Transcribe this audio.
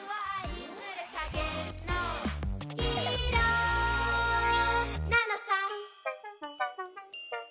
「影のヒーローなのさ」